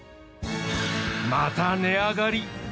また値上がり！